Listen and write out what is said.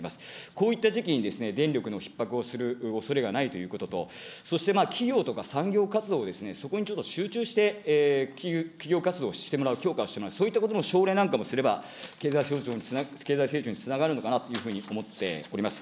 こういった時期に電力のひっ迫をするおそれがないということと、そして企業とか産業活動ですね、そこにちょっと集中して企業活動をしてもらう、強化をしてもらう、そういったことも奨励なんかもすれば、経済成長につながるのかなというふうに思っております。